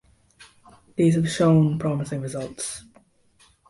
These have shown promising results.